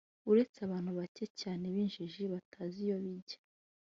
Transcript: uretse abantu bacye cyane b’injiji batazi iyo bijya